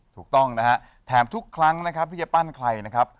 ถูกต้องนะฮะแถมทุกครั้งนะครับที่จะปั้นใครนะครับ